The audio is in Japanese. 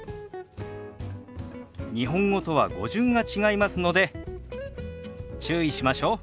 日本語とは語順が違いますので注意しましょう。